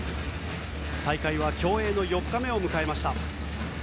大会は競泳の４日目を迎えました。